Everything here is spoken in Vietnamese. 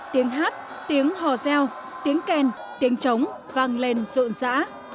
tiếng hát tiếng hò reo tiếng kèn tiếng trống vang lên rộn rã